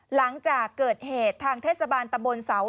หลังจากเกิดเหตุทางเทศบาลตะบนเสา